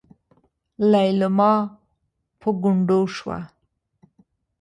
ليلما په ګونډو شوه.